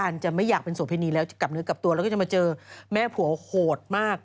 แล้วก็กลับเนียกกับตัวและก็จะมาเจอแม่ผัวโหดมาก